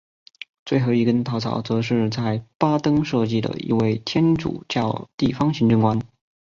最后一根稻草则是在巴登设置了一位天主教地方行政官。